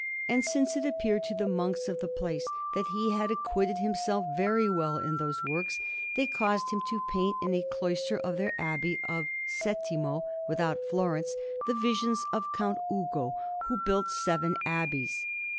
And since it appeared to the monks of that place that he had acquitted himself very well in those works, they caused him to paint in a cloister of their Abbey of Settimo, without Florence, the Visions of Count Ugo, who built seven abbeys.